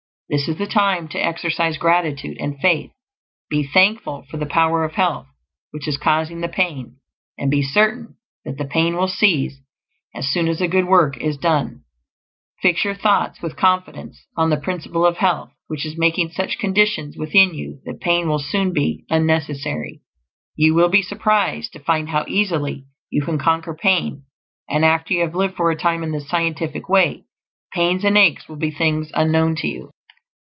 This is the time to exercise gratitude and faith; be thankful for the power of health which is causing the pain, and be certain that the pain will cease as soon as the good work is done. Fix your thoughts, with confidence, on the Principle of Health which is making such conditions within you that pain will soon be unnecessary. You will be surprised to find how easily you can conquer pain; and after you have lived for a time in this Scientific Way, pains and aches will be things unknown to you.